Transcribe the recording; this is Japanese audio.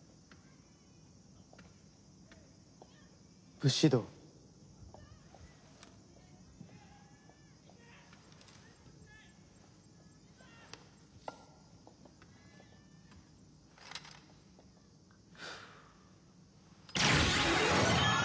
「武士道」ふう。